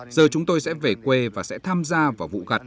giờ chúng tôi sẽ về quê và sẽ tham gia vào vụ gặt